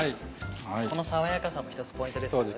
この爽やかさも一つポイントですからね。